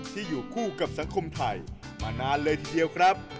ที่อยู่คู่กับสังคมไทยมานานเลยทีเดียวครับ